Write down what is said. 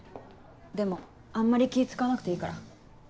でもあんまり気使わなくていいから。